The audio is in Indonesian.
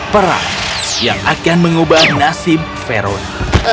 perang yang akan mengubah nasib veroni